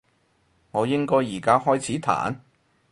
我應該而家開始彈？